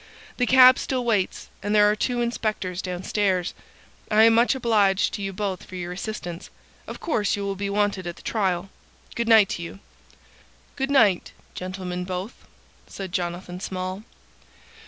The cab still waits, and there are two inspectors downstairs. I am much obliged to you both for your assistance. Of course you will be wanted at the trial. Good night to you." "Good night, gentlemen both," said Jonathan Small.